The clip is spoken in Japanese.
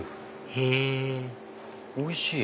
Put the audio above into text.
へぇおいしい！